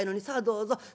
さあどうぞ。